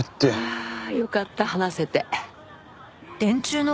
ああよかった話せて。